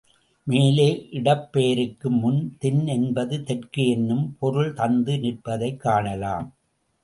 மேலே, இடப்பெயருக்கு முன் தென் என்பது தெற்கு என்னும் பொருள் தந்து நிற்பதைக் காணலாம்.